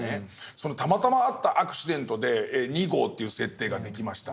そのたまたまあったアクシデントで２号っていう設定ができました。